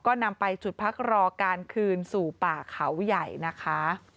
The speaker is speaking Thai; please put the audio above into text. ก็นำไปจุดพักรอการคืนสู่ป่าเขาใหญ่นะคะ